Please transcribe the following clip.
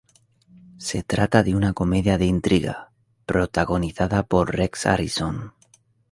Se trata de una comedia de intriga, protagonizada por Rex Harrison.